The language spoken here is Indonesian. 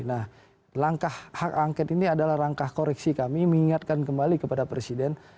nah langkah hak angket ini adalah langkah koreksi kami mengingatkan kembali kepada presiden